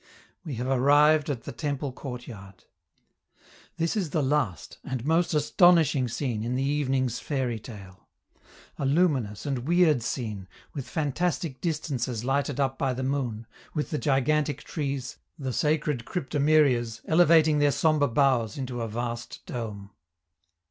We have arrived at the temple courtyard. This is the last and most astonishing scene in the evening's fairy tale a luminous and weird scene, with fantastic distances lighted up by the moon, with the gigantic trees, the sacred cryptomerias, elevating their sombre boughs into a vast dome.